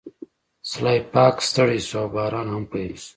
سلای فاکس ستړی شو او باران هم پیل شو